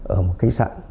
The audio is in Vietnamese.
ở một cái sạn